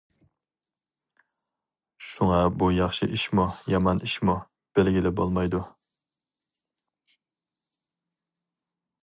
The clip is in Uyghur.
شۇڭا بۇ ياخشى ئىشمۇ؟ يامان ئىشمۇ؟ بىلگىلى بولمايدۇ.